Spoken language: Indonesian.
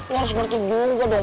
ya harus ngerti juga dong